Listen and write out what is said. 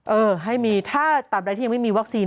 เออให้มีถ้าตามใดที่ยังไม่มีวัคซีน